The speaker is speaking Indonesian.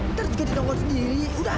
ntar juga didongkot sendiri udah